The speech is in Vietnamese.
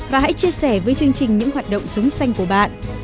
và hãy chia sẻ với chương trình những hoạt động sống xanh của bạn